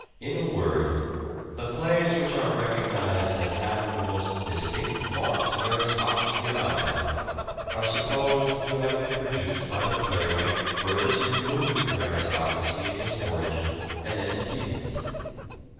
In a word, the plays which are recognized as having the most distinct marks of aristocracy about them, are SPECIAL CHARACTERISTICS 123 supposed to have been produced by the playwright furthest removed from aristocracy in his origin and antecedents.